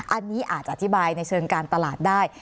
อันนี้อาจจะอธิบายในเชิงการตลาดได้